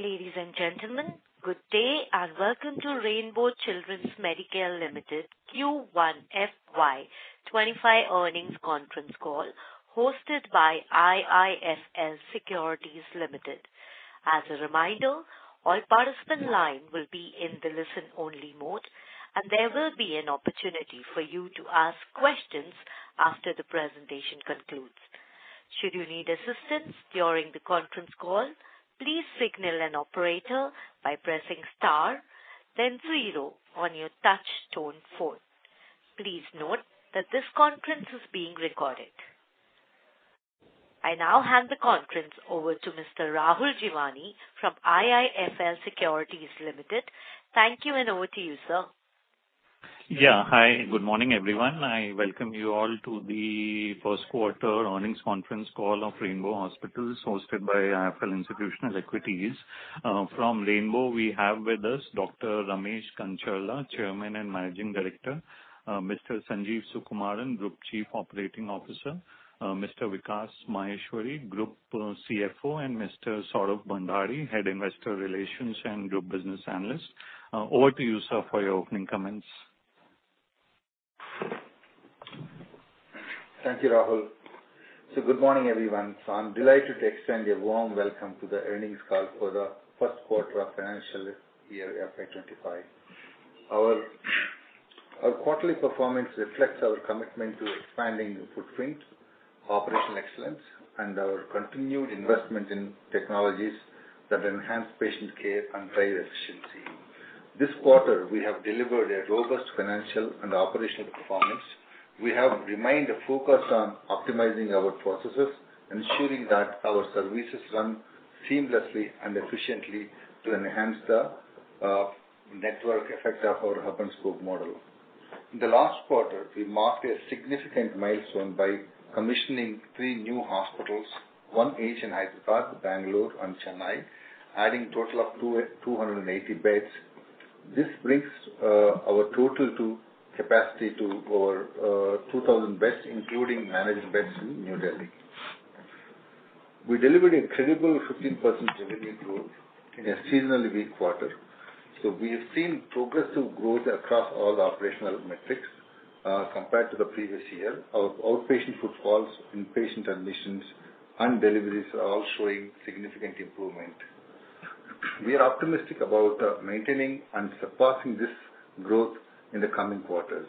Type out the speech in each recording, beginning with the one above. Ladies and gentlemen, good day, and welcome to Rainbow Children's Medicare Limited Q1 FY25 Earnings Conference Call, hosted by IIFL Securities Limited. As a reminder, all participant line will be in the listen-only mode, and there will be an opportunity for you to ask questions after the presentation concludes. Should you need assistance during the conference call, please signal an operator by pressing star then zero on your touch tone phone. Please note that this conference is being recorded. I now hand the conference over to Mr. Rahul Jeewani from IIFL Securities Limited. Thank you, and over to you, sir. Yeah. Hi, good morning, everyone. I welcome you all to the first quarter earnings conference call of Rainbow Hospitals, hosted by IIFL Institutional Equities. From Rainbow, we have with us Dr. Ramesh Kancharla, Chairman and Managing Director, Mr. Sanjeev Sukumaran, Group Chief Operating Officer, Mr. Vikas Maheshwari, Group CFO, and Mr. Saurabh Bhandari, Head Investor Relations and Group Business Analyst. Over to you, sir, for your opening comments. Thank you, Rahul. So good morning, everyone. So I'm delighted to extend a warm welcome to the earnings call for the first quarter of financial year FY25. Our quarterly performance reflects our commitment to expanding footprint, operational excellence, and our continued investment in technologies that enhance patient care and higher efficiency. This quarter, we have delivered a robust financial and operational performance. We have remained focused on optimizing our processes, ensuring that our services run seamlessly and efficiently to enhance the network effect of our hub-and-spoke model. In the last quarter, we marked a significant milestone by commissioning three new hospitals, one each in Hyderabad, Bangalore and Chennai, adding total of 280 beds. This brings our total capacity to over 2,000 beds, including managed beds in New Delhi. We delivered an incredible 15% revenue growth in a seasonally weak quarter. We have seen progressive growth across all operational metrics, compared to the previous year. Our outpatient footfalls, inpatient admissions and deliveries are all showing significant improvement. We are optimistic about maintaining and surpassing this growth in the coming quarters.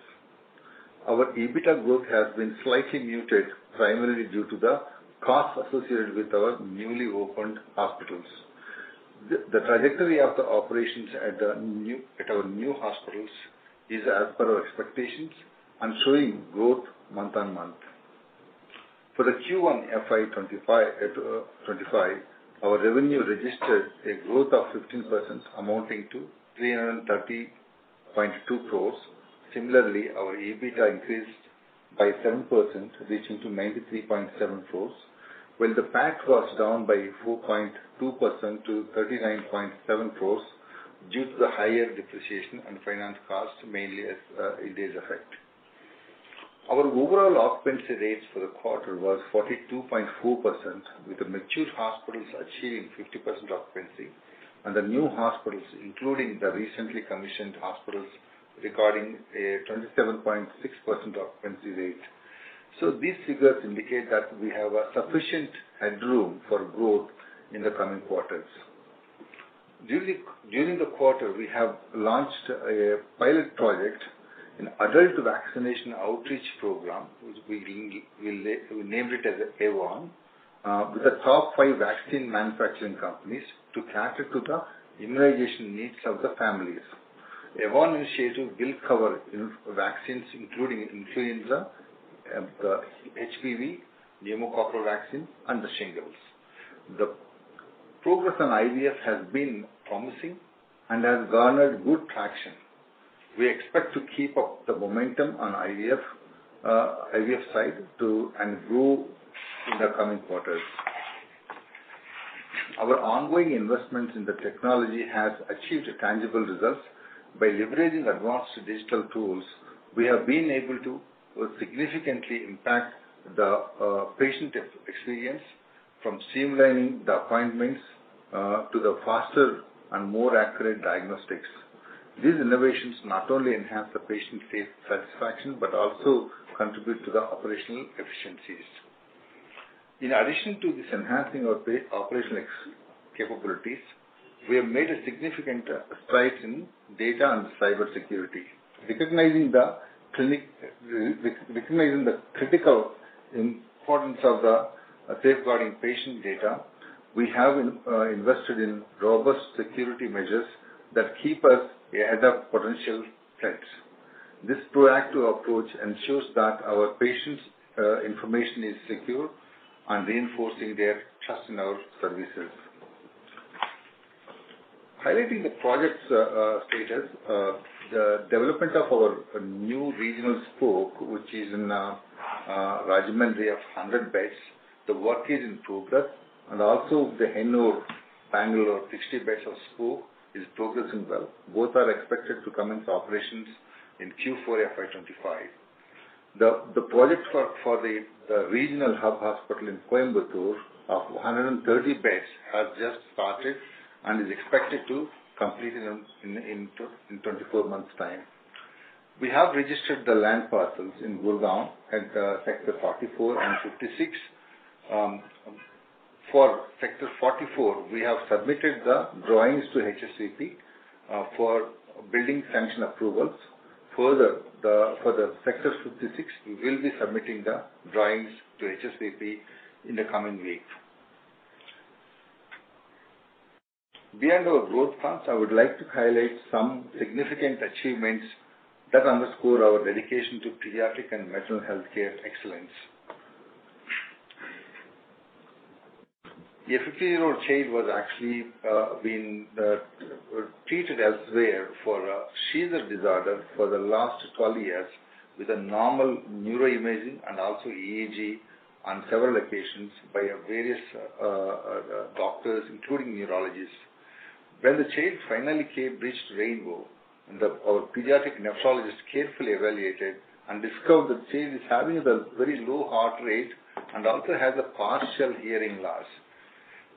Our EBITDA growth has been slightly muted, primarily due to the costs associated with our newly opened hospitals. The trajectory of the operations at our new hospitals is as per our expectations and showing growth month-on-month. For the Q1 FY25, our revenue registered a growth of 15%, amounting to 330.2 crores. Similarly, our EBITDA increased by 7%, reaching to 93.7 crores, while the PAT was down by 4.2% to 39.7 crores due to the higher depreciation and finance costs, mainly as it's affected. Our overall occupancy rates for the quarter was 42.4%, with the mature hospitals achieving 50% occupancy and the new hospitals, including the recently commissioned hospitals, recording a 27.6% occupancy rate. So these figures indicate that we have a sufficient headroom for growth in the coming quarters. During the quarter, we have launched a pilot project, an Adult Vaccination Outreach program, which we named it as AVON, with the top five vaccine manufacturing companies to cater to the immunization needs of the families. AVON initiative will cover influenza vaccines, including influenza, the HPV, pneumococcal vaccine, and the shingles. The progress on IVF has been promising and has garnered good traction. We expect to keep up the momentum on IVF, IVF side to... and grow in the coming quarters. Our ongoing investments in the technology has achieved tangible results. By leveraging advanced digital tools, we have been able to significantly impact the patient experience, from streamlining the appointments to the faster and more accurate diagnostics. These innovations not only enhance the patient satisfaction, but also contribute to the operational efficiencies. In addition to this enhancing of the operational capabilities, we have made a significant strides in data and cybersecurity. Recognizing the clinical importance of safeguarding patient data, we have invested in robust security measures that keep us ahead of potential threats. This proactive approach ensures that our patients' information is secure and reinforcing their trust in our services. Highlighting the projects' status, the development of our new regional spoke, which is in Rajahmundry of 100 beds, the work is in progress, and also the Hennur, Bangalore, 60 beds of spoke is progressing well. Both are expected to commence operations in Q4 FY25. The project for the regional hub hospital in Coimbatore of 130 beds has just started and is expected to complete in 24 months' time. We have registered the land parcels in Gurgaon at Sector 44 and 56. For Sector 44, we have submitted the drawings to HSVP for building sanction approvals. Further, for the Sector 56, we will be submitting the drawings to HSVP in the coming weeks. Beyond our growth plans, I would like to highlight some significant achievements that underscore our dedication to pediatric and maternal healthcare excellence. A 15-year-old child was actually being treated elsewhere for a seizure disorder for the last 12 years, with a normal neuroimaging and also EEG on several occasions by various doctors, including neurologists. When the child finally reached Rainbow, our pediatric nephrologist carefully evaluated and discovered the child is having a very low heart rate and also has a partial hearing loss.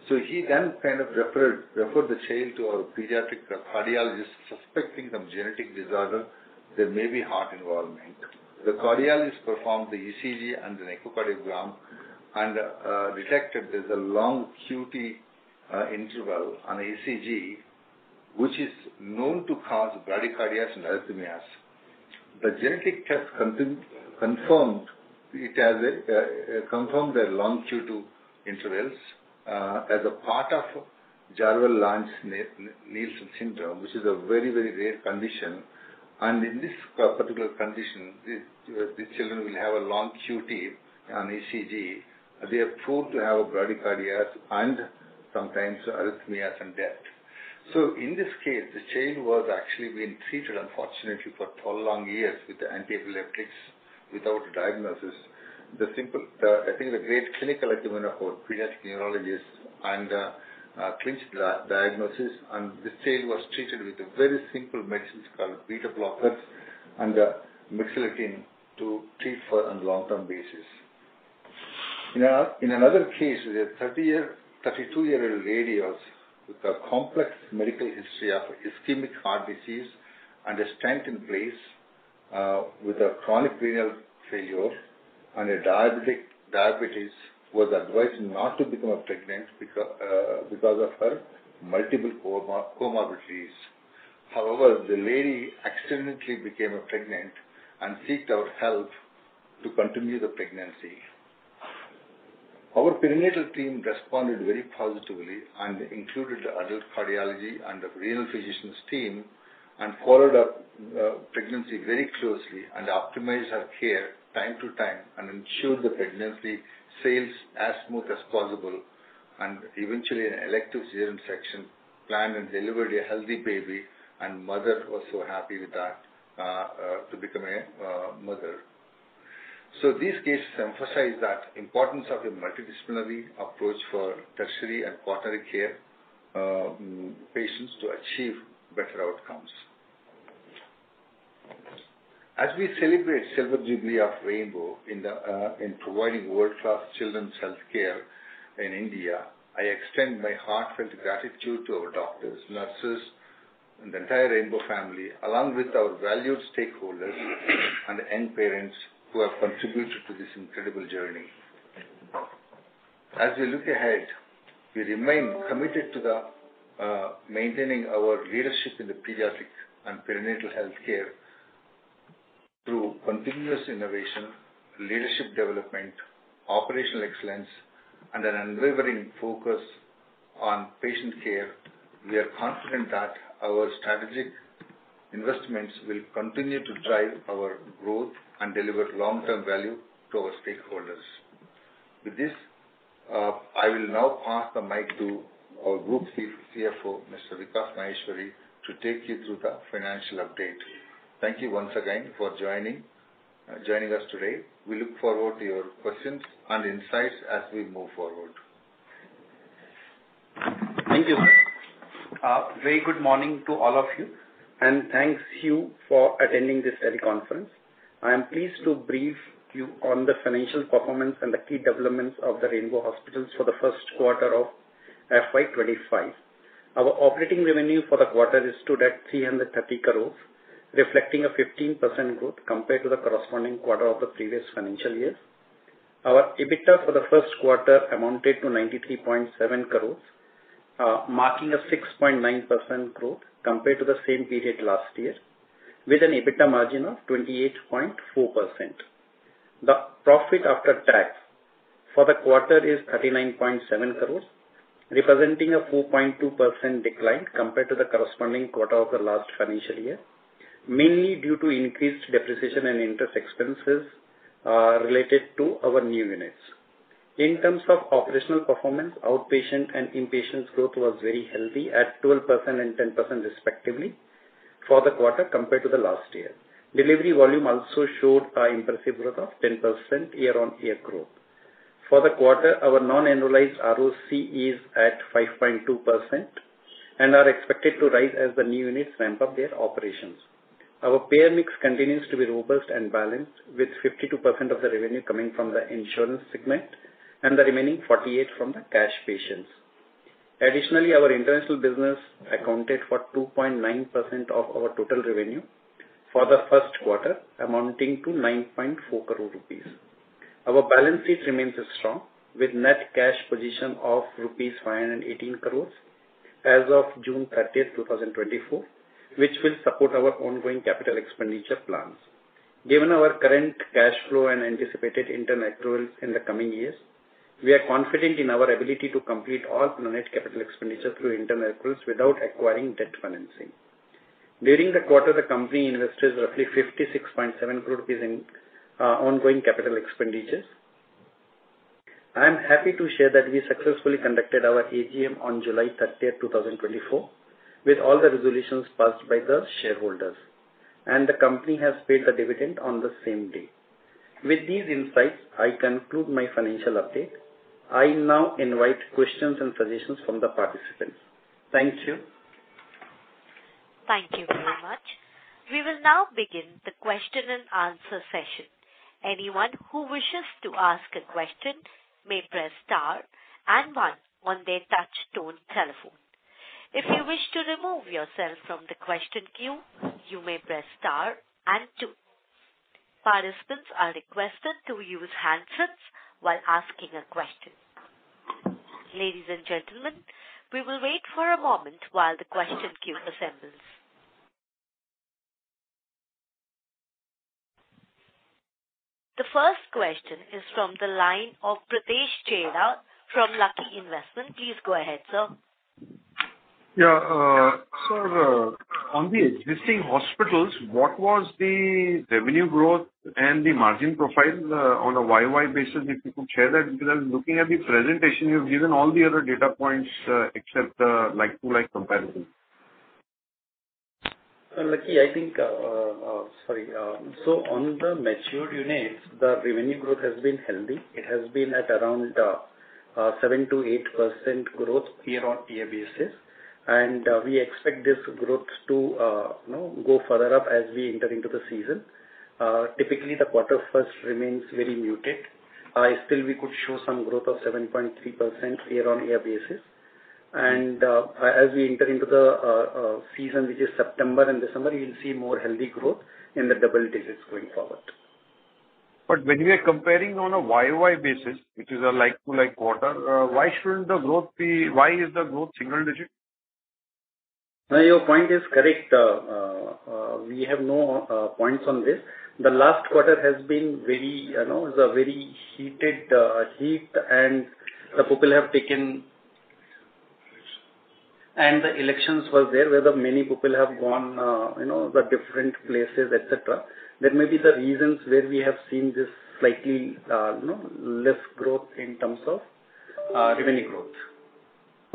So he then kind of referred the child to our pediatric cardiologist, suspecting some genetic disorder, there may be heart involvement. The cardiologist performed the ECG and an echocardiogram and detected there's a long QT interval on ECG, which is known to cause bradycardias and arrhythmias. The genetic test confirmed it has a confirmed the long QT intervals as a part of Jervell and Lange-Nielsen syndrome, which is a very, very rare condition. And in this particular condition, the children will have a long QT on ECG. They are prone to have bradycardias and sometimes arrhythmias and death. So in this case, the child was actually being treated, unfortunately, for 12 long years with the antiepileptics without diagnosis. The simple, I think, the great clinical acumen of our pediatric neurologist and clinched the diagnosis, and the child was treated with a very simple medicines called beta blockers and mexiletine to treat for on long-term basis. Now, in another case, we had a 32-year-old lady with a complex medical history of ischemic heart disease and a stent in place, with a chronic renal failure and diabetes, was advised not to become pregnant because of her multiple comorbidities. However, the lady accidentally became pregnant and sought our help to continue the pregnancy. Our perinatal team responded very positively and included adult cardiology and the renal physicians team, and followed up pregnancy very closely and optimized her care time to time, and ensured the pregnancy sails as smooth as possible. And eventually, an elective C-section planned and delivered a healthy baby, and mother was so happy with that, to become a mother. So these cases emphasize that importance of a multidisciplinary approach for tertiary and quaternary care patients to achieve better outcomes. As we celebrate silver jubilee of Rainbow in the in providing world-class children's healthcare in India, I extend my heartfelt gratitude to our doctors, nurses, and the entire Rainbow family, along with our valued stakeholders and end parents who have contributed to this incredible journey. As we look ahead, we remain committed to the maintaining our leadership in the pediatric and perinatal healthcare through continuous innovation, leadership development, operational excellence, and an unwavering focus on patient care. We are confident that our strategic investments will continue to drive our growth and deliver long-term value to our stakeholders. With this, I will now pass the mic to our Group CFO, Mr. Vikas Maheshwari, to take you through the financial update. Thank you once again for joining joining us today. We look forward to your questions and insights as we move forward. Thank you. Very good morning to all of you, and thank you for attending this early conference. I am pleased to brief you on the financial performance and the key developments of the Rainbow hospitals for the first quarter of FY25. Our operating revenue for the quarter stood at 330 crores, reflecting a 15% growth compared to the corresponding quarter of the previous financial year. Our EBITDA for the first quarter amounted to 93.7 crores, marking a 6.9% growth compared to the same period last year, with an EBITDA margin of 28.4%. The profit after tax for the quarter is 39.7 crore, representing a 4.2% decline compared to the corresponding quarter of the last financial year, mainly due to increased depreciation and interest expenses related to our new units. In terms of operational performance, outpatient and inpatient growth was very healthy at 12% and 10% respectively for the quarter compared to the last year. Delivery volume also showed an impressive growth of 10% year-on-year growth. For the quarter, our non-annualized ROC is at 5.2% and are expected to rise as the new units ramp up their operations. Our payer mix continues to be robust and balanced, with 52% of the revenue coming from the insurance segment and the remaining 48% from the cash patients. Additionally, our international business accounted for 2.9% of our total revenue for the first quarter, amounting to 9.4 crore rupees. Our balance sheet remains strong, with net cash position of rupees 518 crore as of June 30th, 2024, which will support our ongoing capital expenditure plans. Given our current cash flow and anticipated internal accruals in the coming years, we are confident in our ability to complete all managed capital expenditures through internal accruals without acquiring debt financing. During the quarter, the company invested roughly 56.7 crore rupees in ongoing capital expenditures. I am happy to share that we successfully conducted our AGM on July 30th, 2024, with all the resolutions passed by the shareholders, and the company has paid the dividend on the same day. With these insights, I conclude my financial update. I now invite questions and suggestions from the participants. Thank you. Thank you very much. We will now begin the question and answer session. Anyone who wishes to ask a question may press star and one on their touch tone telephone. If you wish to remove yourself from the question queue, you may press star and two. Participants are requested to use handsets while asking a question. Ladies and gentlemen, we will wait for a moment while the question queue assembles. The first question is from the line of Pritesh Chheda from Lucky Investment. Please go ahead, sir. Yeah, so on the existing hospitals, what was the revenue growth and the margin profile on a YY basis, if you could share that because looking at the presentation, you've given all the other data points except like-to-like comparison? So Lucky, I think, so on the mature units, the revenue growth has been healthy. It has been at around 7%-8% growth year-on-year basis. And, we expect this growth to, you know, go further up as we enter into the season. Typically, the quarter first remains very muted. Still, we could show some growth of 7.3% year-on-year basis. And, as we enter into the season, which is September and December, you'll see more healthy growth in the double digits going forward. But when we are comparing on a YY basis, which is a like-to-like quarter, why shouldn't the growth be... Why is the growth single digit? No, your point is correct. We have no points on this. The last quarter has been very, you know, is a very heated heat, and the people have taken- And the elections were there, whether many people have gone, you know, the different places, et cetera. That may be the reasons where we have seen this slightly, you know, less growth in terms of, revenue growth.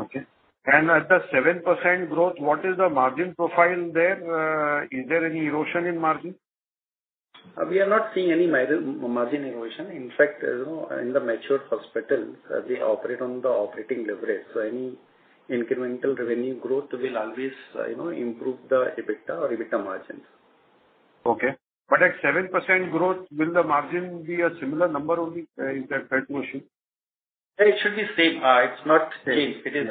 Okay. And at the 7% growth, what is the margin profile there? Is there any erosion in margin? We are not seeing any margin erosion. In fact, you know, in the mature hospital, we operate on the operating leverage, so any incremental revenue growth will always, you know, improve the EBITDA or EBITDA margins. Okay, but at 7% growth, will the margin be a similar number only in the current motion? It should be same. It's not changed. Yeah. It is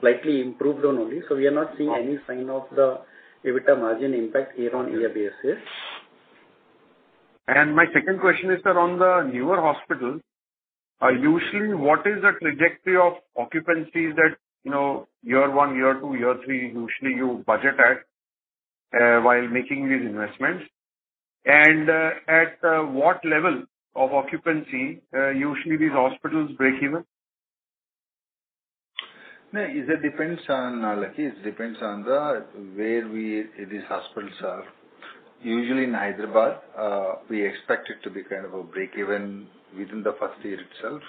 slightly improved on only. Okay. We are not seeing any sign of the EBITDA margin impact year-over-year basis. My second question is that on the newer hospital, usually what is the trajectory of occupancy that, you know, year one, year two, year three, usually you budget at what level of occupancy usually these hospitals break even? No, it depends on Lucky. It depends on where these hospitals are. Usually in Hyderabad, we expect it to be kind of a break even within the first year itself.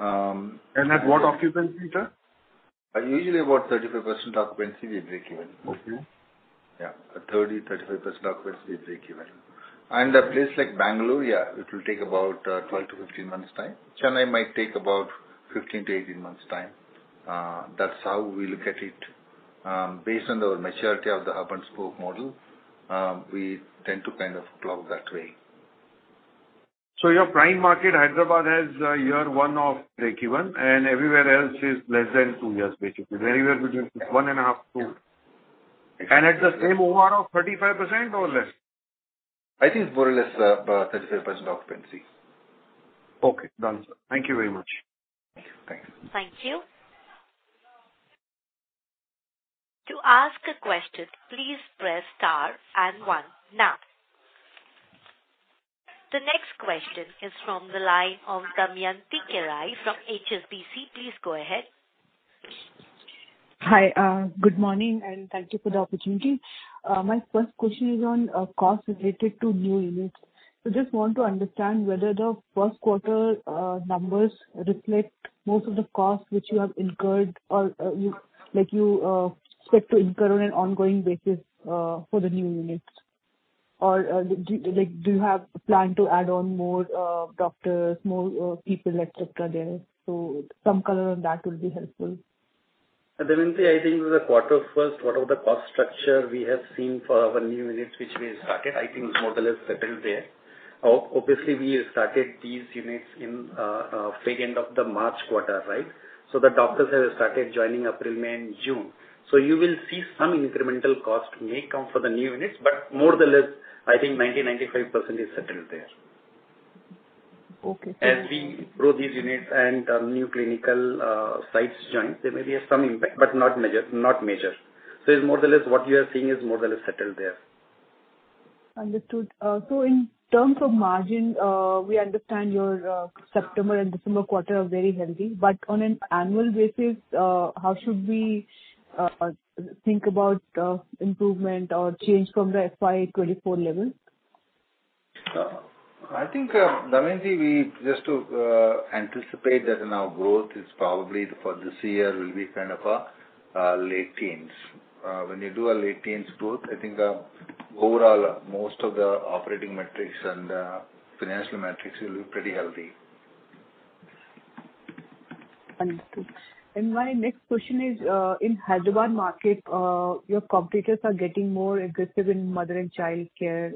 At what occupancy, sir? Usually about 35% occupancy, we break even. Okay. Yeah, 30%-35% occupancy, we break even. A place like Bangalore, yeah, it will take about 12-15 months time. Chennai might take about 15-18 months time. That's how we look at it. Based on the maturity of the hub-and-spoke model, we tend to kind of plow that way. So your prime market, Hyderabad, has year 1 of breakeven, and everywhere else is less than 2 years, basically, anywhere between 1.5-2. Yeah. At the same overall of 35% or less? I think more or less, 35% occupancy. Okay, done, sir. Thank you very much. Thank you. Thank you. To ask a question, please press star and one now. The next question is from the line of Damayanti Kerai from HSBC. Please go ahead. Hi, good morning, and thank you for the opportunity. My first question is on costs related to new units. So just want to understand whether the first quarter numbers reflect most of the costs which you have incurred or you, like, you expect to incur on an ongoing basis for the new units? Or, like, do you have plan to add on more doctors, more people, et cetera, there? So some color on that will be helpful. Damayanti, I think with the quarter first, what are the cost structure we have seen for our new units which we started, I think more or less settled there. Obviously, we started these units in second of the March quarter, right? So the doctors have started joining April, May, and June. So you will see some incremental cost may come for the new units, but more or less, I think 90%-95% is settled there. Okay. As we grow these units and new clinical sites join, there may be some impact, but not major, not major. So it's more or less what you are seeing is more or less settled there. Understood. So in terms of margin, we understand your September and December quarter are very healthy. But on an annual basis, how should we think about improvement or change from the FY24 level? I think, Damayanti, we just to anticipate that now growth is probably for this year will be kind of a late teens. When you do a late teens growth, I think, overall, most of the operating metrics and financial metrics will be pretty healthy. Understood. My next question is, in Hyderabad market, your competitors are getting more aggressive in mother and child care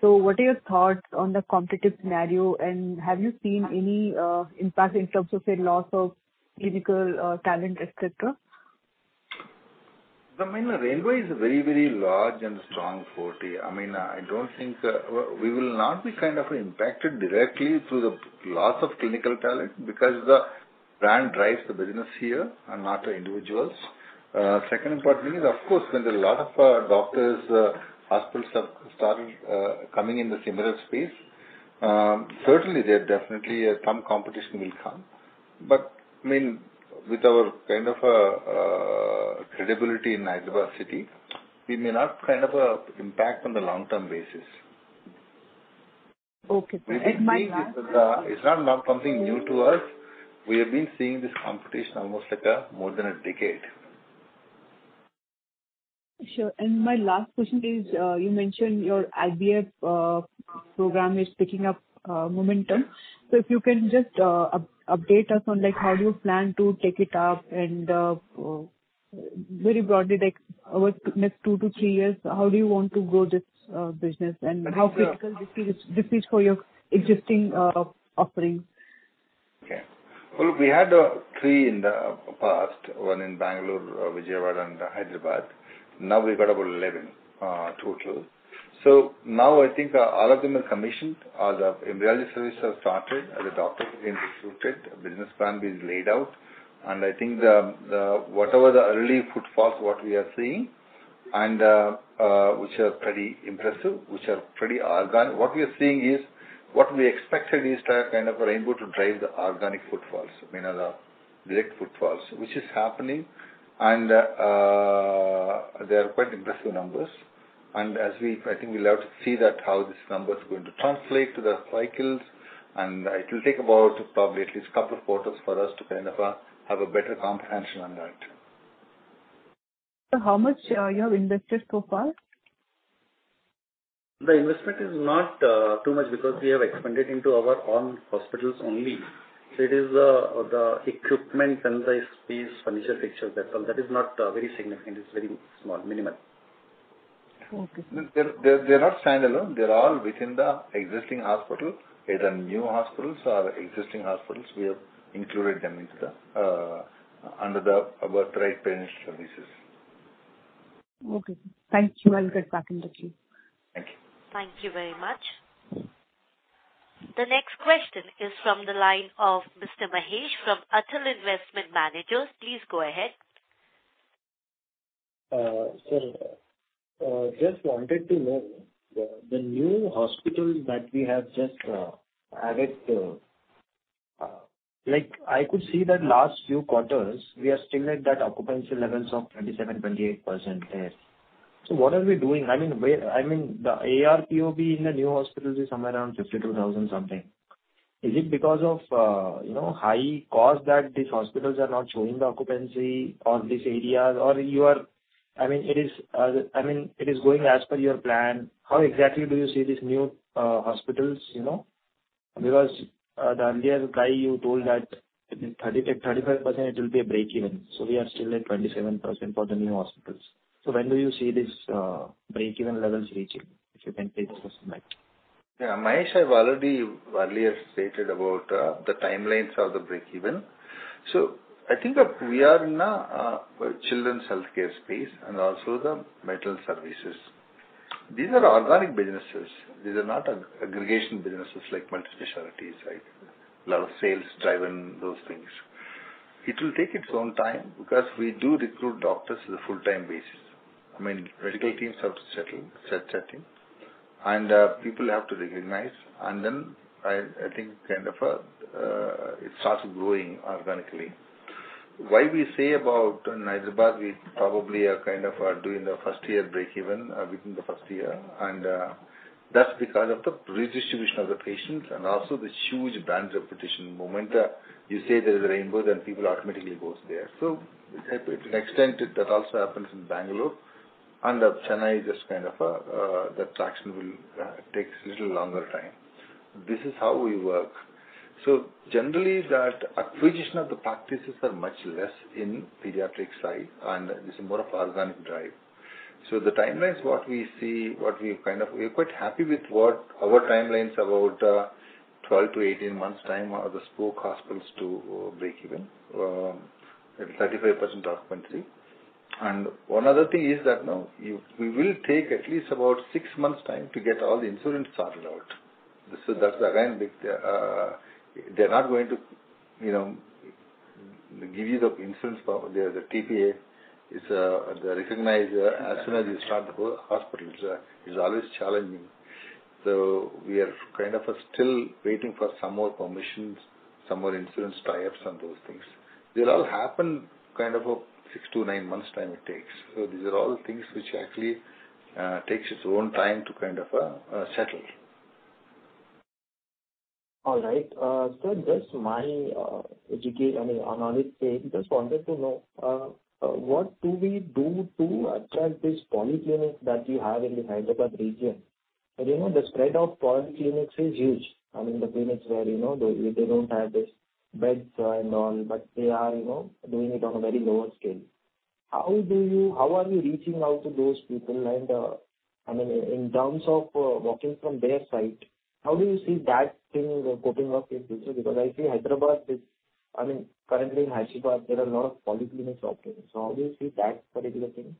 segment. What are your thoughts on the competitive scenario, and have you seen any impact in terms of, say, loss of clinical talent, et cetera? I mean, Rainbow is a very, very large and strong forte. I mean, I don't think we will not be kind of impacted directly through the loss of clinical talent because the brand drives the business here and not the individuals. Second important thing is, of course, when there are a lot of doctors, hospitals have started coming in the similar space, certainly, there definitely some competition will come. But I mean, with our kind of credibility in Hyderabad city, we may not kind of impact on the long-term basis. Okay. It might not- It's not, not something new to us. We have been seeing this competition almost like, more than a decade. Sure. And my last question is, you mentioned your IVF program is picking up momentum. So if you can just, update us on, like, how do you plan to take it up? And, very broadly, like, over the next two to three years, how do you want to grow this business, and how critical this is for your existing offering? Okay. Well, we had three in the past, one in Bangalore, Vijayawada, and Hyderabad. Now we've got about 11 total. So now I think all of them are commissioned, all the embryo services have started, and the doctors have been recruited, business plan being laid out. And I think the whatever the early footfalls, what we are seeing, and which are pretty impressive, which are pretty organic. What we are seeing is, what we expected is to have kind of a Rainbow to drive the organic footfalls, I mean the direct footfalls, which is happening, and they are quite impressive numbers. And as we... I think we'll have to see that, how this number is going to translate to the cycles, and it will take about probably at least couple of quarters for us to kind of have a better comprehension on that. So how much you have invested so far? The investment is not too much because we have expanded into our own hospitals only. So it is the equipment and the space, furniture, fixtures, that's all. That is not very significant. It's very small, minimal. Okay. They're not standalone. They're all within the existing hospital. Either new hospitals or existing hospitals, we have included them under our Birthright parent services. Okay. Thank you. I'll get back in touch with you. Thank you. Thank you very much. The next question is from the line of Mr. Mahesh from Atal Investment Managers. Please go ahead. Sir, just wanted to know the, the new hospitals that we have just added, like, I could see that last few quarters, we are still at that occupancy levels of 27%, 28% there. So what are we doing? I mean, where? I mean, the ARPOB in the new hospitals is somewhere around 52,000 something. Is it because of, you know, high cost that these hospitals are not showing the occupancy on these areas? Or you are? I mean, it is, I mean, it is going as per your plan. How exactly do you see these new hospitals, you know? Because, the earlier guide you told that 35, 35% it will be a break even, so we are still at 27% for the new hospitals. When do you see these break-even levels reaching, if you can take this question back? Yeah, Mahesh, I've already earlier stated about the timelines of the breakeven. So I think that we are in a children's healthcare space and also the maternal services. These are organic businesses. These are not aggregation businesses like multispecialties, right? A lot of sales-driven, those things. It will take its own time because we do recruit doctors on a full-time basis. I mean, medical teams have to settle, set, and people have to recognize, and then I think kind of it starts growing organically. Why we say about Hyderabad, we probably are kind of doing the first year breakeven within the first year, and that's because of the redistribution of the patients and also the huge brand reputation momentum. You say there's a Rainbow, then people automatically goes there. So to an extent, that also happens in Bangalore, and Chennai is just kind of, the traction will takes a little longer time. This is how we work. So generally, that acquisition of the practices are much less in pediatric side, and this is more of organic drive. So the timelines, what we see, what we kind of. We're quite happy with what our timelines about, 12-18 months' time are the spoke hospitals to break even, at 35% occupancy. And one other thing is that, now, we will take at least about 6 months' time to get all the insurance sorted out. So that's again, big. They're not going to, you know, give you the insurance power. The TPA is, they recognize, as soon as you start the hospitals, it's always challenging. So we are kind of still waiting for some more permissions, some more insurance tie-ups, and those things. They all happen kind of, 6-9 months' time it takes. So these are all things which actually, takes its own time to kind of, settle. All right. So just my, educate, I mean, our knowledge base, just wanted to know, what do we do to attract this polyclinic that you have in the Hyderabad region? But you know, the spread of polyclinics is huge. I mean, the clinics where, you know, they, they don't have this beds and all, but they are, you know, doing it on a very lower scale. How do you - How are you reaching out to those people? And, I mean, in terms of, working from their side, how do you see that thing coping up in future? Because I see Hyderabad is, I mean, currently in Hyderabad, there are a lot of polyclinics operating. So how do you see that particular thing?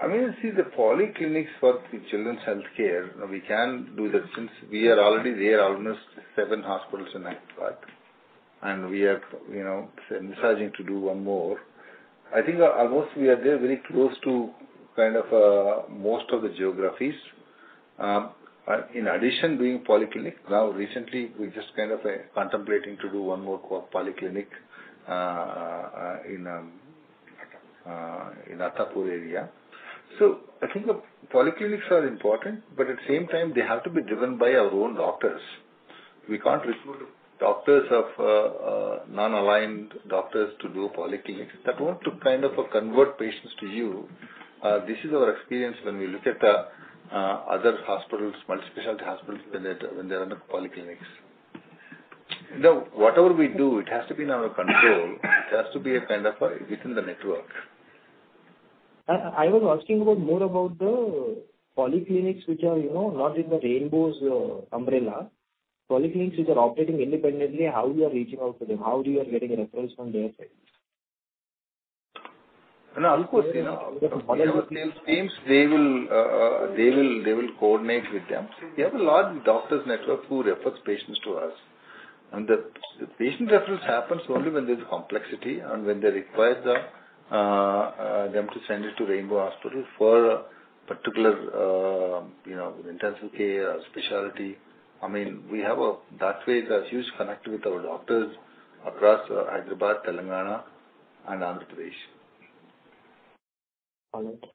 I mean, you see the polyclinics for the children's healthcare, we can do that since we are already there, almost 7 hospitals in Hyderabad, and we have, you know, starting to do one more. I think almost we are very close to kind of most of the geographies. In addition, doing polyclinic, now recently, we just kind of contemplating to do one more polyclinic in Attapur area. So I think the polyclinics are important, but at the same time, they have to be driven by our own doctors. We can't recruit non-aligned doctors to do a polyclinic. That won't kind of convert patients to you. This is our experience when we look at the other hospitals, multi-specialty hospitals, when they run the polyclinics. Now, whatever we do, it has to be in our control. It has to be a kind of, within the network. I was asking about more about the polyclinics which are, you know, not in the Rainbow's umbrella. Polyclinics which are operating independently, how you are reaching out to them? How you are getting referrals from their side? No, of course, you know, teams, they will, they will coordinate with them. We have a large doctors network who refers patients to us, and the patient reference happens only when there's complexity and when they require the them to send it to Rainbow Hospital for particular, you know, intensive care or specialty. I mean, we have, that way, a huge connect with our doctors across Hyderabad, Telangana, and Andhra Pradesh.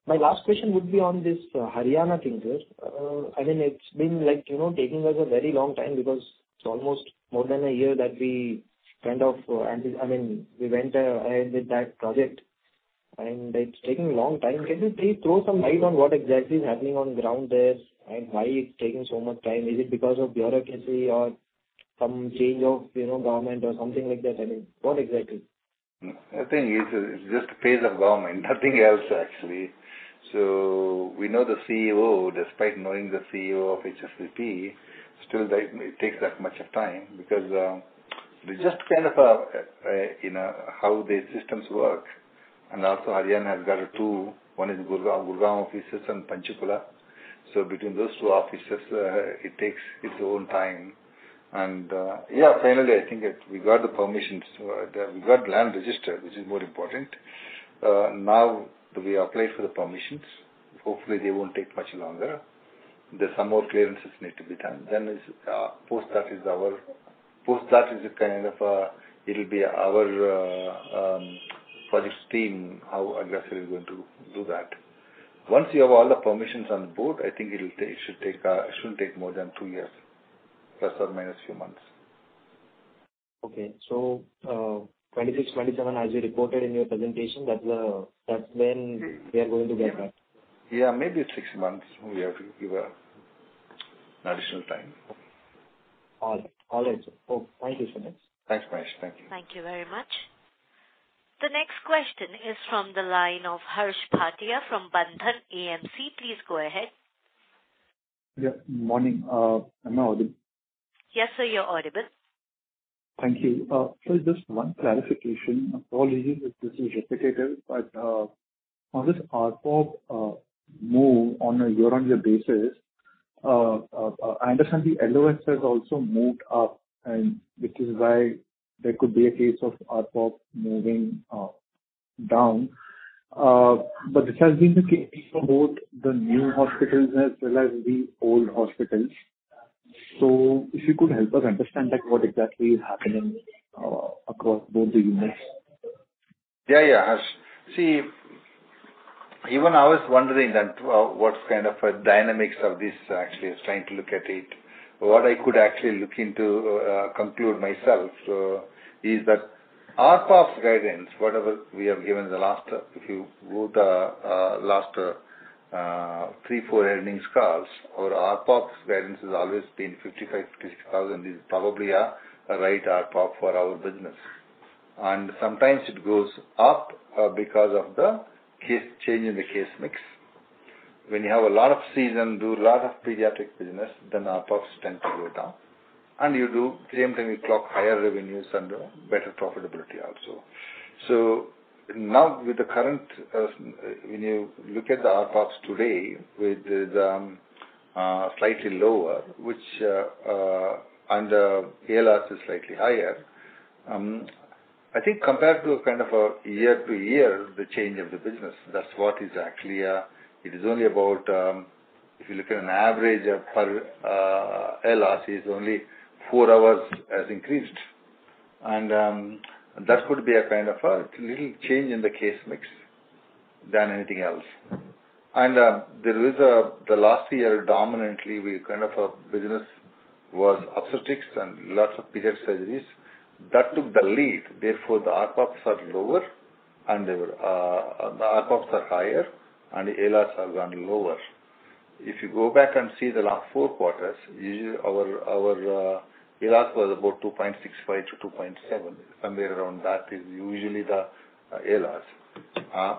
My last question would be on this Haryana thing, sir. I mean, it's been like, you know, taking us a very long time because it's almost more than a year that we kind of, I mean, we went ahead with that project, and it's taking a long time. Can you please throw some light on what exactly is happening on the ground there and why it's taking so much time? Is it because of bureaucracy or some change of, you know, government or something like that, I mean, what exactly? I think it's just a pace of government, nothing else, actually. So we know the CEO, despite knowing the CEO of HSPT, still that it takes that much of time because we just you know how the systems work. And also, Haryana has got two, one is Gurgaon offices and Panchkula. So between those two offices, it takes its own time, and yeah, finally, I think it we got the permissions. We got land registered, which is more important. Now we apply for the permissions. Hopefully, they won't take much longer. There's some more clearances need to be done. Then post that is our project team, how aggressively we're going to do that. Once you have all the permissions on board, I think it'll take, should take, shouldn't take more than two years, plus or minus few months. Okay. So, 2026, 2027, as you reported in your presentation, that's, that's when we are going to get that. Yeah, maybe six months, we have to give additional time. All right. All right, sir. Oh, thank you so much. Thanks, Mahesh. Thank you. Thank you very much. The next question is from the line of Harsh Bhatia from Bandhan AMC. Please go ahead. Yeah, morning. Am I audible? Yes, sir, you're audible. Thank you. So just one clarification. Apologies if this is repetitive, but on this ARPOB move on a year-on-year basis, I understand the LOS has also moved up, and which is why there could be a case of ARPOB moving down. But this has been the case for both the new hospitals as well as the old hospitals. So if you could help us understand, like, what exactly is happening across both the units? Yeah, yeah, Harsh. See, even I was wondering that what kind of a dynamics of this actually is, trying to look at it. What I could actually look into conclude myself is that ARPOB guidance, whatever we have given the last, if you go to last 3-4 earnings calls, our ARPOB guidance has always been 55,000-60,000 is probably a right ARPOB for our business. And sometimes it goes up because of the case mix change. When you have a lot of season, do a lot of pediatric business, then ARPOBs tend to go down, and you do same thing, you clock higher revenues and better profitability also. So now with the current, when you look at the ARPOBs today, with the, slightly lower, which, and the ALOS is slightly higher, I think compared to kind of a year-to-year, the change of the business, that's what is actually, it is only about, if you look at an average of per, ALOS is only four hours has increased. And, that could be a kind of a little change in the case mix than anything else. And, there is the last year, dominantly, we kind of a business was obstetrics and lots of pediatric surgeries. That took the lead, therefore, the ARPOBs are lower, and there were, the ARPOBs are higher, and the ALOS have gone lower. If you go back and see the last four quarters, usually our ALOS was about 2.65-2.7. Somewhere around that is usually the ALOS.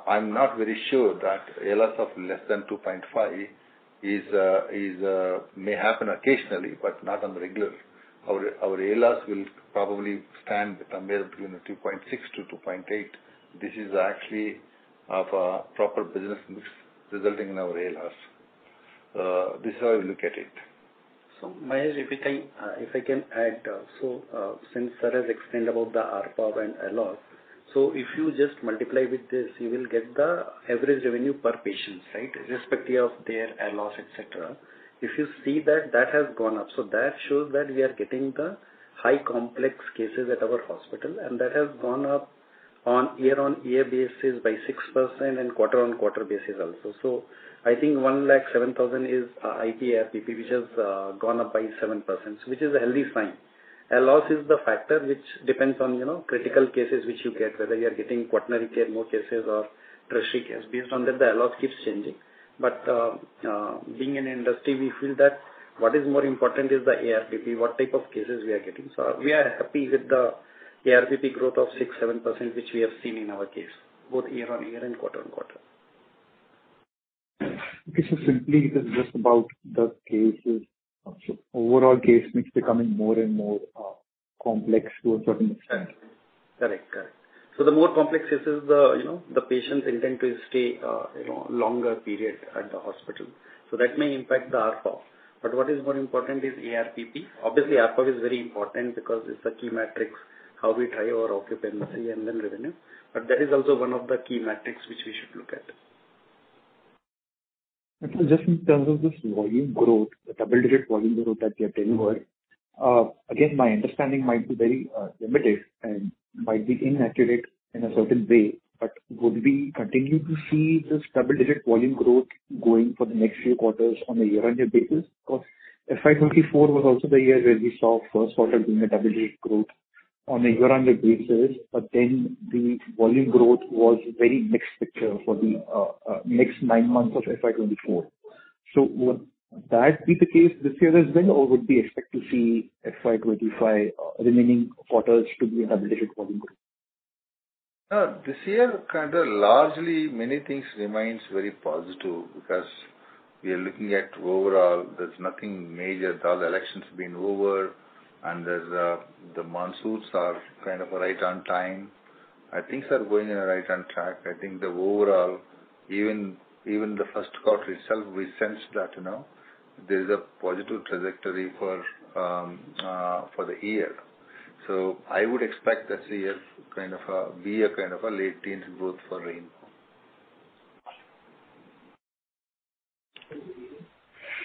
I'm not very sure that ALOS s of less than 2.5 is may happen occasionally, but not on regular. Our ALOS will probably stand somewhere between a 2.6-2.8. This is actually of a proper business mix resulting in our ALOS. This is how I look at it. So Mahesh, if I, if I can add. So, since sir has explained about the ARPOB and ALOS, so if you just multiply with this, you will get the average revenue per patients, right? Irrespective of their ALOS, et cetera. If you see that, that has gone up, so that shows that we are getting the high complex cases at our hospital, and that has gone up on year-on-year basis by 6% and quarter-on-quarter basis also. So I think 107,000 is, ARPP, which has gone up by 7%, which is a healthy sign. ALOS is the factor which depends on, you know, critical cases which you get, whether you are getting quaternary care, more cases or tertiary care. Based on that, the ALOS keeps changing. But being in industry, we feel that what is more important is the ARPP, what type of cases we are getting. So we are happy with the ARPP growth of 6%-7%, which we have seen in our case, both year-on-year and quarter-on-quarter. Okay, so simply, it is just about the cases, so overall case mix becoming more and more complex to a certain extent. Correct. Correct. So the more complex cases, you know, the patients intend to stay, you know, longer period at the hospital. So that may impact the ARPOB. But what is more important is ARPP. Obviously, ARPOB is very important because it's a key metric, how we drive our occupancy and then revenue. But that is also one of the key metrics which we should look at. Just in terms of this volume growth, the double-digit volume growth that you are telling her, again, my understanding might be very limited and might be inaccurate in a certain way, but would we continue to see this double-digit volume growth going for the next few quarters on a year-on-year basis? Because FY24 was also the year where we saw first quarter being a double-digit growth on a year-on-year basis, but then the volume growth was very mixed picture for the next 9 months of FY24. So would that be the case this year as well, or would we expect to see FY25 remaining quarters to be a double-digit volume growth? This year, kind of largely, many things remains very positive because we are looking at overall, there's nothing major. Now the elections been over, and there's, the monsoons are kind of right on time. I think they're going in a right on track. I think the overall, even, even the first quarter itself, we sensed that, you know, there is a positive trajectory for, for the year. So I would expect that the year kind of, be a kind of a late-teen growth for Rainbow.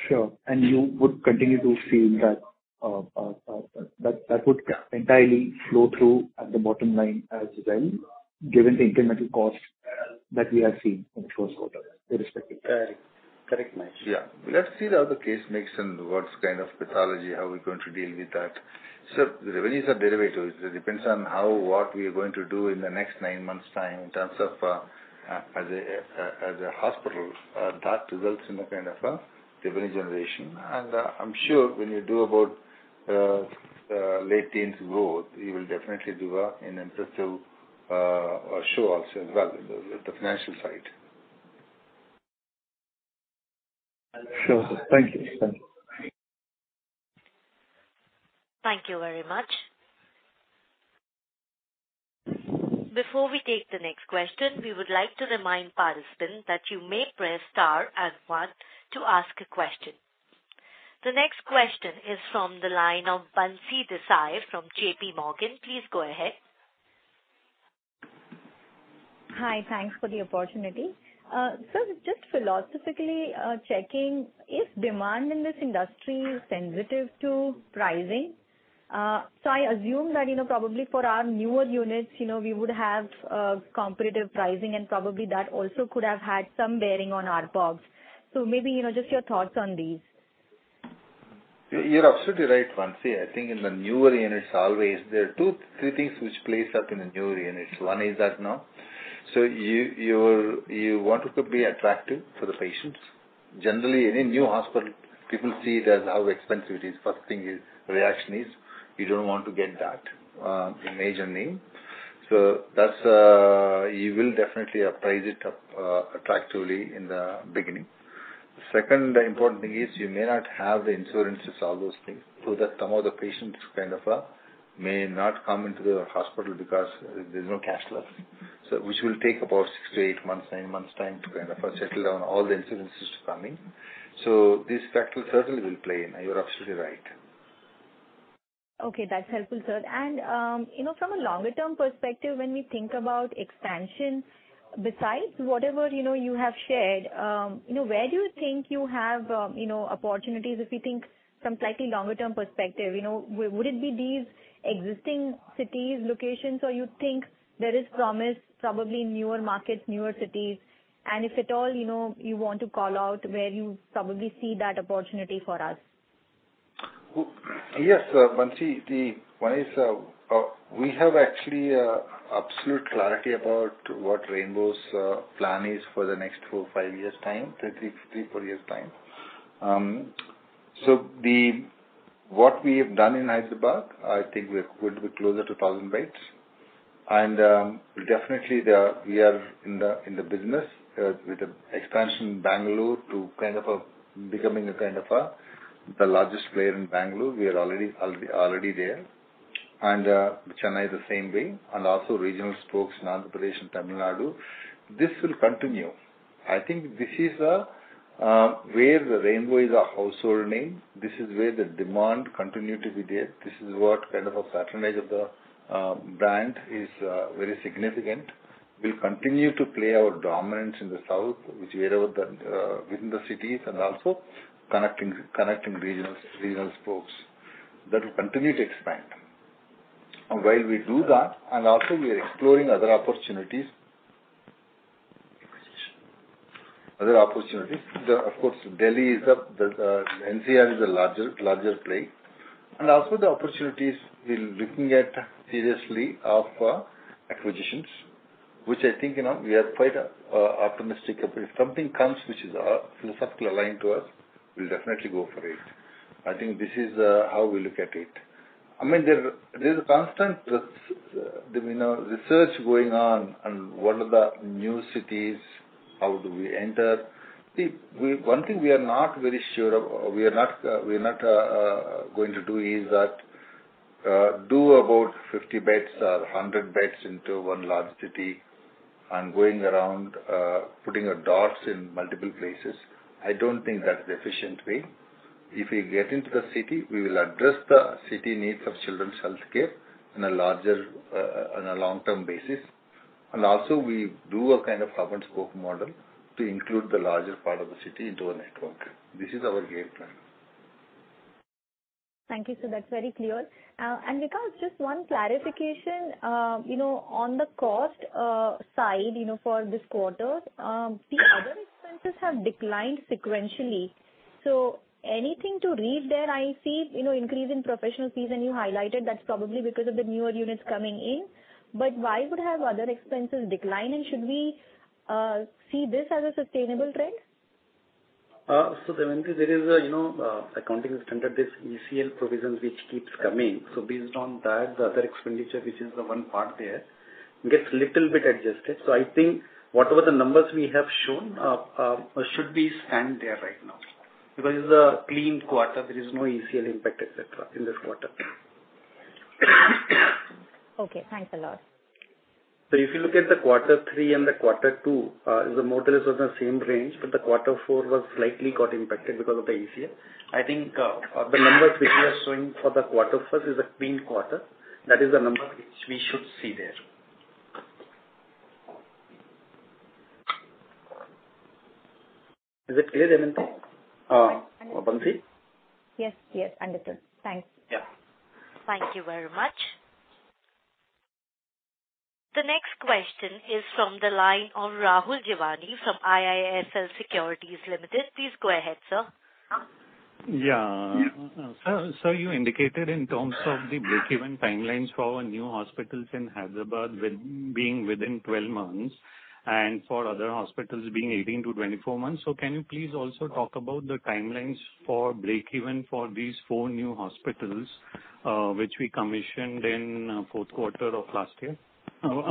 Sure. And you would continue to feel that that would entirely flow through at the bottom line as well, given the incremental cost that we have seen in the first quarter, irrespective? Correct. Correct, Mahesh. Yeah. Let's see how the case mix and what kind of pathology, how we're going to deal with that. So revenues are derivatives. It depends on how, what we are going to do in the next nine months' time in terms of, as a, as a hospital, that results in a kind of a revenue generation. And, I'm sure when you do about, late-teen growth, you will definitely do a, an impressive, show also as well in the, the financial side. Sure. Thank you. Thank you very much. Before we take the next question, we would like to remind participants that you may press star and one to ask a question. The next question is from the line of Bansi Desai from J.P. Morgan. Please go ahead. Hi, thanks for the opportunity. So just philosophically, checking, is demand in this industry sensitive to pricing? So I assume that, you know, probably for our newer units, you know, we would have competitive pricing, and probably that also could have had some bearing on ARPOGs. So maybe, you know, just your thoughts on these. You're absolutely right, Mansi. I think in the newer units, always there are two, three things which plays out in the newer units. One is that now, so you want it to be attractive to the patients. Generally, any new hospital, people see it as how expensive it is. First thing is, reaction is: you don't want to get that in a bad name. So that's, you will definitely price it up, attractively in the beginning. Second, the important thing is you may not have the insurances, all those things, so that some of the patients kind of may not come into the hospital because there's no cashless. So which will take about six to eight months, nine months' time to kind of settle down all the insurances coming. So this factor certainly will play, and you're absolutely right. Okay, that's helpful, sir. And you know, from a longer term perspective, when we think about expansion, besides whatever, you know, you have shared, you know, where do you think you have, you know, opportunities if you think from slightly longer term perspective? You know, would it be these existing cities, locations, or you think there is promise, probably newer markets, newer cities? And if at all, you know, you want to call out where you probably see that opportunity for us? Yes, Mansi, the one is, we have actually absolute clarity about what Rainbow's plan is for the next 4, 5 years' time, 3, 4 years' time. So what we have done in Hyderabad, I think we're would be closer to 1,000 beds. And definitely the, we are in the, in the business with the expansion in Bangalore to kind of becoming a kind of the largest player in Bangalore. We are already there. And Chennai is the same way, and also regional spokes in Andhra Pradesh and Tamil Nadu. This will continue. I think this is where the Rainbow is a household name. This is where the demand continue to be there. This is what kind of a patronage of the brand is very significant. We'll continue to play our dominance in the south, which within the cities and also connecting regional spokes. That will continue to expand. And while we do that, and also we are exploring other opportunities, other opportunities. Of course, Delhi is a, the NCR is a larger play. And also the opportunities we're looking at seriously are for acquisitions, which I think, you know, we are quite optimistic about. If something comes, which is philosophically aligned to us, we'll definitely go for it. I think this is how we look at it. I mean, there's a constant, you know, research going on what are the new cities, how do we enter. One thing we are not very sure of, or we are not going to do, is that do about 50 beds or 100 beds into one large city and going around putting our dots in multiple places. I don't think that's the efficient way. If we get into the city, we will address the city needs of children's healthcare in a larger on a long-term basis. And also, we do a kind of hub-and-spoke model to include the larger part of the city into our network. This is our game plan. Thank you, sir. That's very clear. And Vikas, just one clarification. You know, on the cost side, you know, for this quarter, the other expenses have declined sequentially. So anything to read there? I see, you know, increase in professional fees, and you highlighted that's probably because of the newer units coming in. But why would have other expenses decline, and should we see this as a sustainable trend? So Mansi, there is a, you know, accounting standard, this ECL provision, which keeps coming. So based on that, the other expenditure, which is the one part there, gets little bit adjusted. So I think whatever the numbers we have shown, should be stand there right now. Because it's a clean quarter, there is no ECL impact, et cetera, in this quarter. Okay, thanks a lot. So if you look at the Quarter Three and the Quarter Two, it's more or less on the same range, but the Quarter Four was slightly got impacted because of the ECL. I think, the numbers which we are showing for the quarter for us is a clean quarter. That is the number which we should see there. Is it clear, Mansi? Mansi? Yes. Yes, understood. Thanks. Yeah. Thank you very much. The next question is from the line of Rahul Jeewani from IIFL Securities Limited. Please go ahead, sir. Yeah. So you indicated in terms of the breakeven timelines for our new hospitals in Hyderabad being within 12 months, and for other hospitals being 18-24 months. So can you please also talk about the timelines for breakeven for these four new hospitals, which we commissioned in fourth quarter of last year?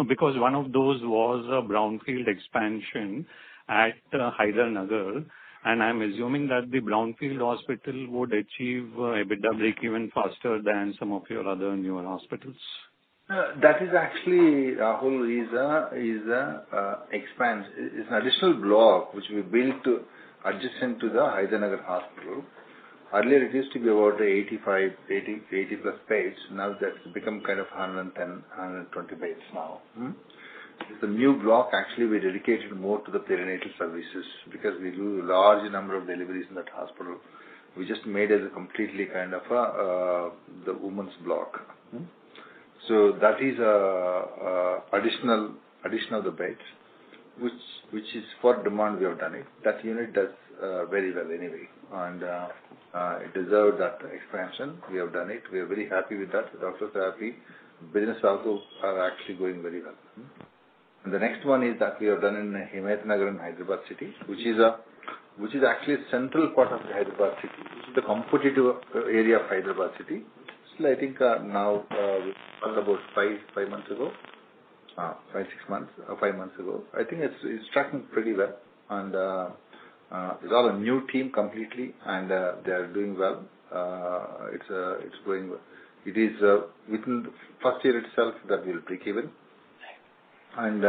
Because one of those was a brownfield expansion at Hydernagar, and I'm assuming that the brownfield hospital would achieve EBITDA breakeven faster than some of your other newer hospitals. That is actually, Rahul, an expansion. It's an additional block which we built adjacent to the Hydernagar Hospital. Earlier, it used to be about 85, 80-plus beds. Now, that's become kind of 110, 120 beds now. The new block, actually, we dedicated more to the perinatal services because we do a large number of deliveries in that hospital. We just made it a completely kind of a the women's block. So that is an additional, additional beds, which is for demand we have done it. That unit does very well anyway, and it deserved that expansion. We have done it. We are very happy with that. IVF therapy business also are actually going very well. The next one is that we have done in Himayat Nagar in Hyderabad city, which is actually central part of the Hyderabad city. It's the competitive area of Hyderabad city. So I think now, about 5-6 months ago, I think it's tracking pretty well. And it's all a new team completely, and they are doing well. It's going well. It is within the first year itself that will break even. And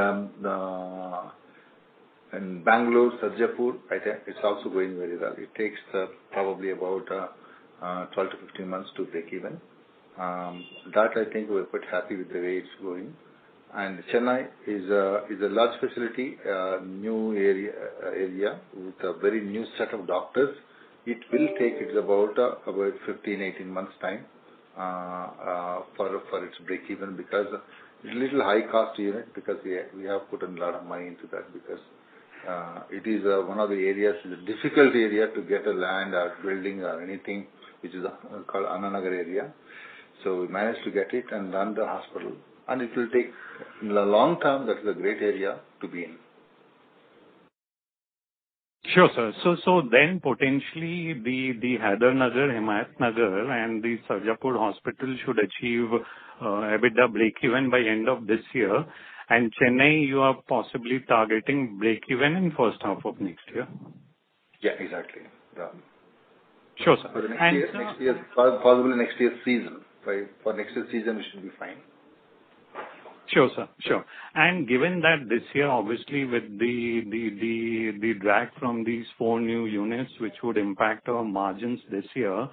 in Bangalore, Sarjapur, I think it's also going very well. It takes probably about 12-15 months to break even. That I think we're quite happy with the way it's going. Chennai is a large facility, new area, with a very new set of doctors. It will take it about 15-18 months' time for its break even because it's a little high-cost unit, because we have put a lot of money into that, because it is one of the areas, the difficult area to get a land or building or anything, which is called Anna Nagar area. So we managed to get it and run the hospital, and it will take... In the long term, that is a great area to be in. Sure, sir. So then potentially the Hydernagar, Himayat Nagar, and the Sarjapur hospital should achieve EBITDA breakeven by end of this year. And Chennai, you are possibly targeting breakeven in first half of next year? Yeah, exactly. Yeah. Sure, sir. Next year, next year, probably next year's season, right? For next year's season, it should be fine. Sure, sir. Sure. And given that this year, obviously, with the drag from these four new units, which would impact our margins this year,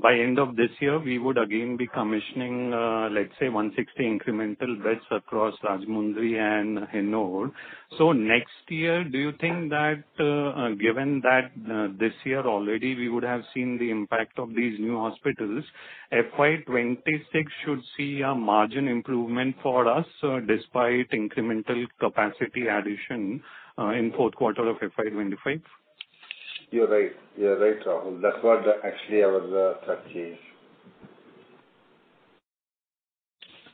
by end of this year, we would again be commissioning, let's say, 160 incremental beds across Rajahmundry and Hennur. So next year, do you think that, given that, this year already, we would have seen the impact of these new hospitals, FY26 should see a margin improvement for us, despite incremental capacity addition, in fourth quarter of FY25? You're right. You're right, Rahul. That's what actually our thought is.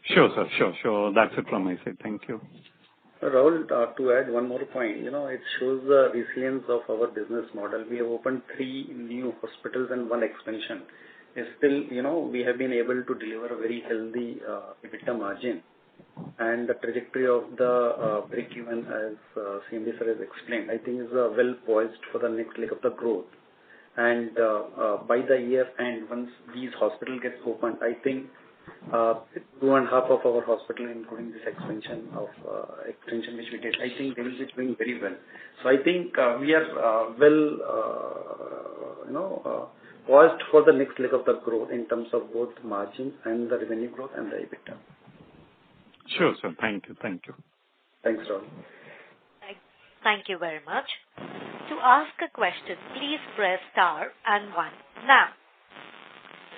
Sure, sir. Sure, sure. That's it from my side. Thank you. Rahul, to add one more point, you know, it shows the resilience of our business model. We have opened three new hospitals and one expansion. And still, you know, we have been able to deliver a very healthy EBITDA margin. And the trajectory of the breakeven, as [Sanjeev] sir has explained, I think is well poised for the next leg of the growth. And by the year end, once these hospitals get opened, I think two and a half of our hospital, including this expansion which we did, I think it is doing very well. So I think we are well, you know, poised for the next leg of the growth in terms of both margin and the revenue growth and the EBITDA. Sure, sir. Thank you. Thank you. Thanks, Rahul. Thank you very much. To ask a question, please press star and one. Now,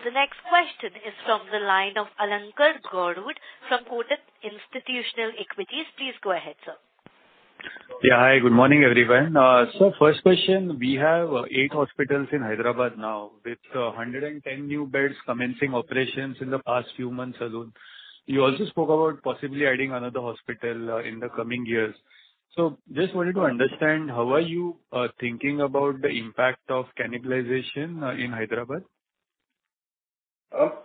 the next question is from the line of Alankar Garude from Kotak Institutional Equities. Please go ahead, sir. Yeah. Hi, good morning, everyone. So first question, we have eight hospitals in Hyderabad now, with 110 new beds commencing operations in the past few months alone. You also spoke about possibly adding another hospital in the coming years. So just wanted to understand, how are you thinking about the impact of cannibalization in Hyderabad? Well,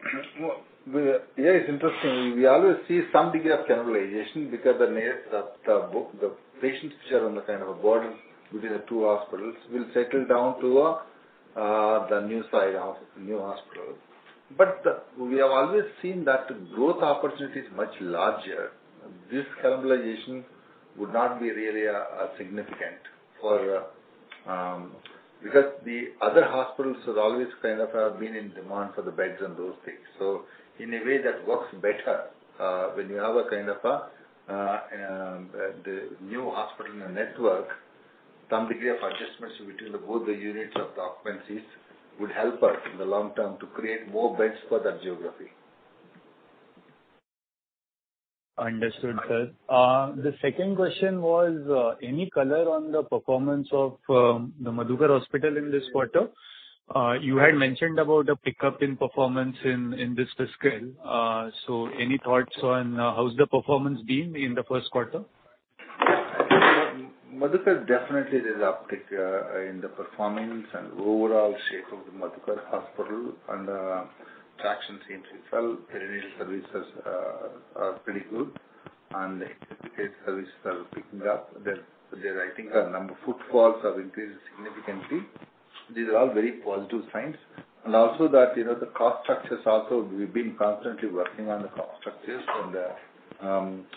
yeah, it's interesting. We always see some degree of cannibalization because the nature of the book, the patients which are on the kind of a board within the two hospitals, will settle down to a new hospital. But we have always seen that the growth opportunity is much larger. This cannibalization would not be really significant for... Because the other hospitals have always kind of been in demand for the beds and those things. So in a way, that works better when you have a kind of a the new hospital network, some degree of adjustments between the both the units of the occupancies would help us in the long term to create more beds for that geography. Understood, sir. The second question was, any color on the performance of, the Madhukar Hospital in this quarter? You had mentioned about a pickup in performance in this fiscal. So any thoughts on, how's the performance been in the first quarter? Madhukar, definitely there's an uptick in the performance and overall shape of the Madhukar Hospital, and traction seems to well, perinatal services are pretty good, and the education services are picking up. I think a number of footfalls have increased significantly. These are all very positive signs. And also that, you know, the cost structures also, we've been constantly working on the cost structures and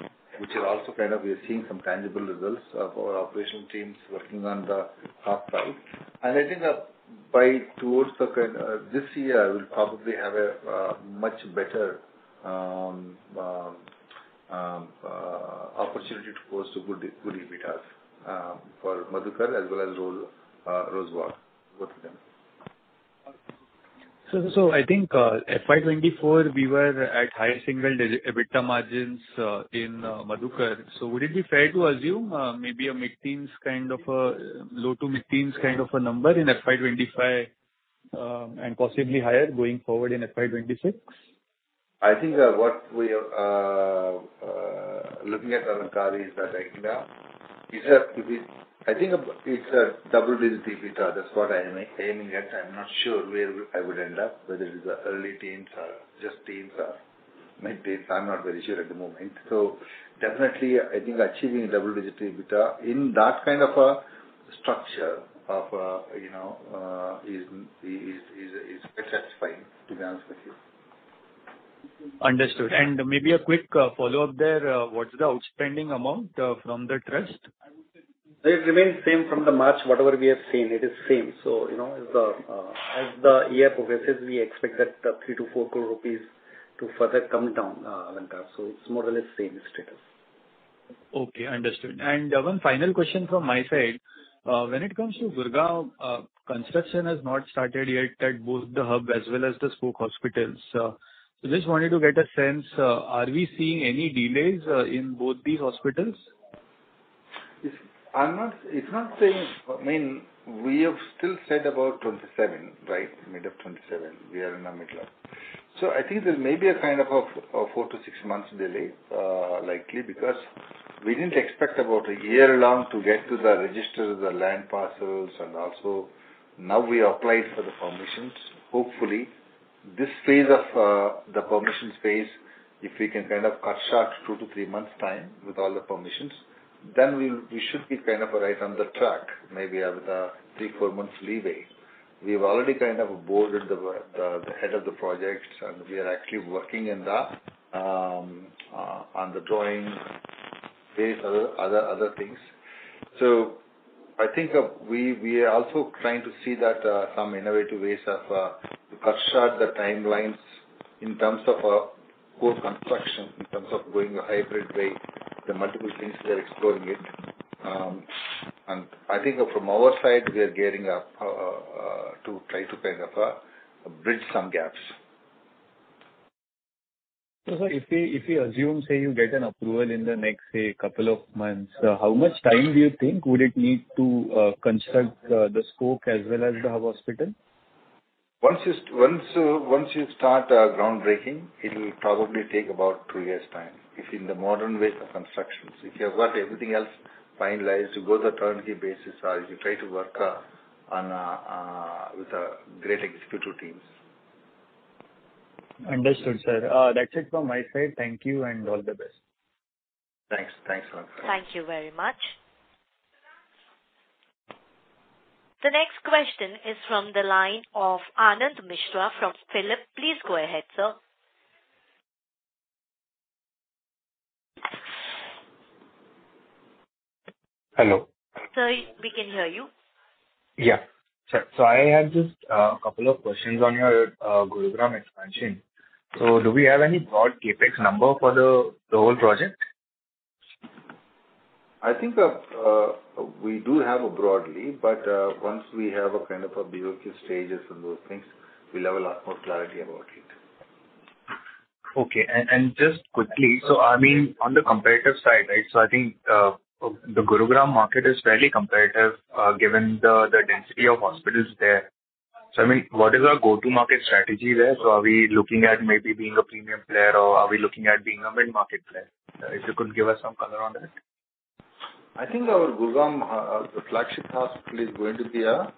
which is also kind of we are seeing some tangible results of our operation teams working on the cost side. And I think by towards the kind this year, I will probably have a much better opportunity to go to good, good EBITDA for Madhukar as well as Rosewalk, both of them. So, I think, FY24, we were at higher single-digit EBITDA margins in Madhukar. So would it be fair to assume, maybe a mid-teens kind of a, low- to mid-teens kind of a number in FY25, and possibly higher going forward in FY26? I think what we are looking at, Alankar, is that right now, it's a pretty... I think it's a double-digit EBITDA. That's what I am aiming at. I'm not sure where I would end up, whether it is early teens or just teens or mid-teens. I'm not very sure at the moment. So definitely, I think achieving double-digit EBITDA in that kind of a structure of, you know, is satisfying, to be honest with you. Understood. And maybe a quick, follow-up there, what's the outstanding amount, from the trust? It remains same from the March. Whatever we have seen, it is same. So, you know, as the year progresses, we expect that 3 crore-4 crore rupees to further come down, Anant. So it's more or less same status. Okay, understood. And one final question from my side. When it comes to Gurgaon, construction has not started yet at both the hub as well as the spoke hospitals. So just wanted to get a sense, are we seeing any delays in both these hospitals? It's not saying, I mean, we have still said about 27, right? Mid of 27. We are in the middle of. So I think there may be a kind of a 4-6 months delay, likely, because we didn't expect about a year long to get to the register, the land parcels, and also now we applied for the permissions. Hopefully, this phase of the permissions phase, if we can kind of cut short 2-3 months time with all the permissions, then we should be kind of right on the track, maybe have a 3-4 months leeway. We've already kind of onboard the head of the project, and we are actually working on the drawing phase, other things. So I think we are also trying to see that some innovative ways of to cut short the timelines in terms of core construction, in terms of going a hybrid way, the multiple things we are exploring it. And I think from our side, we are gearing up to try to kind of bridge some gaps. So sir, if we, if we assume, say, you get an approval in the next, say, couple of months, how much time do you think would it need to construct the spoke as well as the hub hospital? Once, once you start groundbreaking, it will probably take about two years' time, if in the modern ways of constructions. If you have got everything else finalized, you go the turnkey basis, or you try to work on a with a great executive teams. Understood, sir. That's it from my side. Thank you, and all the best. Thanks. Thanks, Anant. Thank you very much. The next question is from the line of Anand Mishra from Phillip. Please go ahead, sir. Hello. Sir, we can hear you. Yeah. So I have just a couple of questions on your Gurgaon expansion. So do we have any broad CapEx number for the whole project? I think, we do have a broadly, but once we have a kind of a BOQ stages and those things, we'll have a lot more clarity about it. Okay. Just quickly, I mean, on the competitive side, right? So I think the Gurgaon market is fairly competitive, given the density of hospitals there. So, I mean, what is our go-to-market strategy there? So are we looking at maybe being a premium player, or are we looking at being a mid-market player? If you could give us some color on that. I think our Gurgaon flagship hospital is going to be a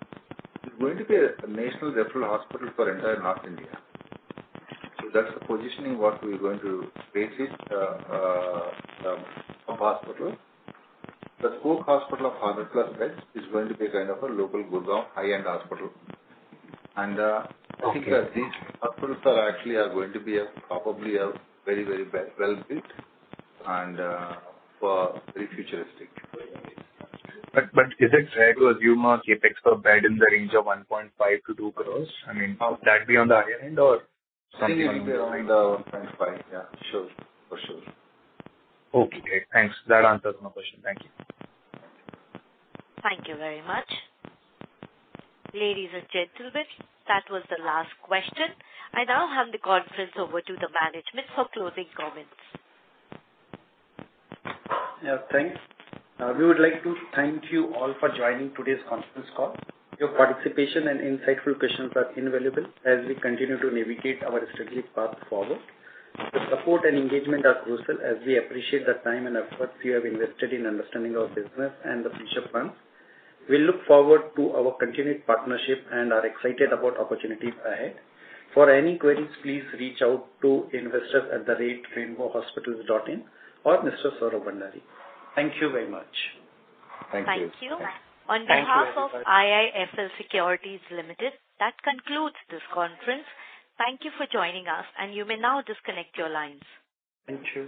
national referral hospital for entire North India. So that's the positioning what we're going to base it hospital. The spoke hospital of 100+ beds is going to be kind of a local Gurgaon high-end hospital. And Okay. I think that these hospitals are actually going to be a, probably a very, very well built and, very futuristic. But, is it fair to assume our CapEx per bed in the range of 1.5 crores-2 crores? I mean, how would that be on the higher end or something around? I think it will be around 1.5. Yeah, sure. For sure. Okay, great. Thanks. That answers my question. Thank you. Thank you very much. Ladies and gentlemen, that was the last question. I now hand the conference over to the management for closing comments. Yeah, thanks. We would like to thank you all for joining today's conference call. Your participation and insightful questions are invaluable as we continue to navigate our strategic path forward. The support and engagement are crucial, as we appreciate the time and effort you have invested in understanding our business and the future plans. We look forward to our continued partnership and are excited about opportunities ahead. For any queries, please reach out to investors@rainbowhospitals.in or Mr. Saurabh Bhandari. Thank you very much. Thank you. Thank you. Thank you. On behalf of IIFL Securities Limited, that concludes this conference. Thank you for joining us, and you may now disconnect your lines. Thank you.